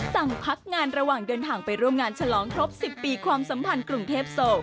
สั่งพักงานระหว่างเดินทางไปร่วมงานฉลองครบ๑๐ปีความสัมพันธ์กรุงเทพโซ